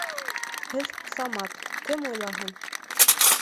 Һеҙ, Самат! Кем уйлаһын?